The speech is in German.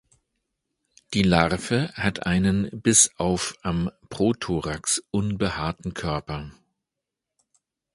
Die Larve hat einen bis auf am Prothorax unbehaarten Körper.